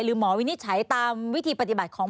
หรือหมอวินิจฉัยตามวิธีปฏิบัติของ